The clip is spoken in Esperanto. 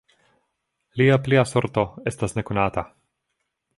Lia plia sorto estas nekonata.